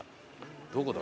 どこだ？